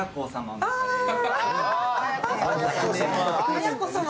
綾子さま。